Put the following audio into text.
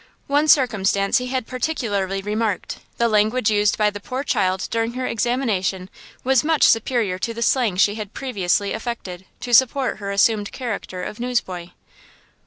One circumstance he had particularly remarked–the language used by the poor child during her examination was much superior to the slang she had previously affected, to support her assumed character of newsboy.